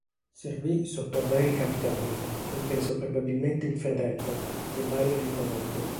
Servì sotto a vari capitani, compreso probabilmente il fratello, che mai la riconobbe.